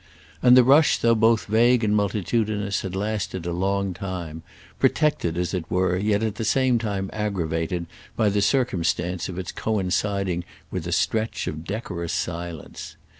And the rush though both vague and multitudinous, had lasted a long time, protected, as it were, yet at the same time aggravated, by the circumstance of its coinciding with a stretch of decorous silence.